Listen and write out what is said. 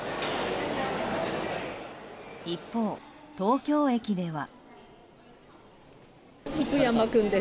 一方、東京駅では。